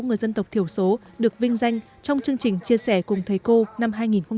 người dân tộc thiểu số được vinh danh trong chương trình chia sẻ cùng thầy cô năm hai nghìn một mươi chín